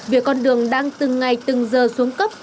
việc con đường đang từng ngày từng giờ xuống cấp